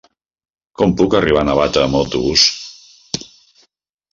Com puc arribar a Navata amb autobús?